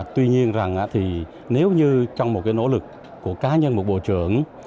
tuy nhiên rằng thì nếu như trong một cái nỗ lực của cá nhân một bộ trưởng